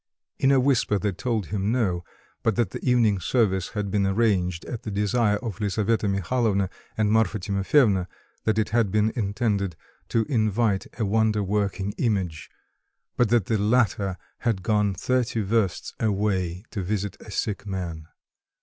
In a whisper they told him no, but that the evening service had been arranged at the desire of Lisaveta Mihalovna and Marfa Timofyevna; that it had been intended to invite a wonder working image, but that the latter had gone thirty versts away to visit a sick man.